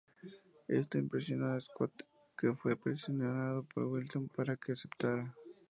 Esto impresionó a Scott, que fue presionado por Wilson para que aceptara.